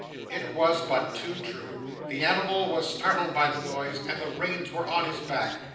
It was but too true. The animal was startled by the noise, and the reins were on his back.